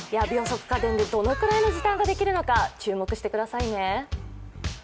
秒速家電でどのくらいの時短ができるのか注目してくださいね。